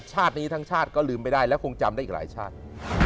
ชาตินี้ทั้งชาติก็ลืมไปได้และคงจำได้อีกหลายชาติ